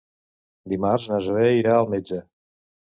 Dimarts na Zoè irà al metge.